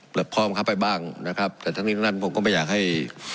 พร้อมบังคับไปบ้างนะครับแต่ทั้งนี้ทั้งนั้นผมก็ไม่อยากให้